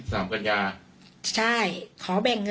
ทรัพย์สินที่เป็นของฝ่ายหญิง